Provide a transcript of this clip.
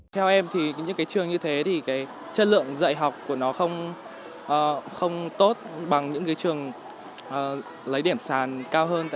theo em thì những cái trường như thế thì cái chất lượng dạy học của nó không tốt bằng những cái trường lấy điểm sàn cao hơn